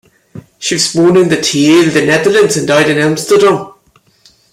She was born in Tiel, the Netherlands, and died in Amsterdam.